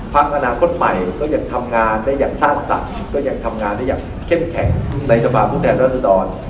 ภาคอนาคตใหม่ก็ยังทำงานได้อย่างซ่านสั่งก็ยังทำงานได้อย่างเข้มแข็งในสภาพุทธแห่งราษฎร